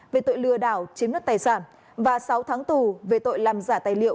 về tội lừa đảo chiếm đất tài sản và sáu tháng tù về tội làm giả tài liệu